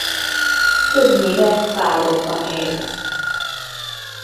Többnyire párokban él.